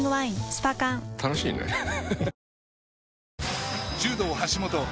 スパ缶楽しいねハハハ